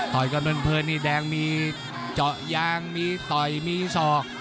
ต่อยกันเบิ่นนี่แดงมีเจาะยางมีต่อยมีศอก